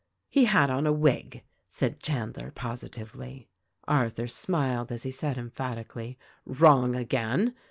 "He had on a wig," said Chandler positively. Arthur smiled as he said emphatically. "Wrong again